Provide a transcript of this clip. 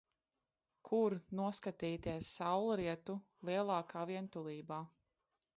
Kur noskatīties saulrietu lielākā vientulībā.